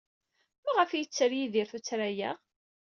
Maɣef ay yetter Yidir tuttra-a?